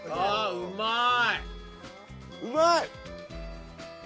うまい！